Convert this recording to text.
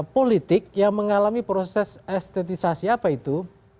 politik yang mengalami proses estetisasi apa itu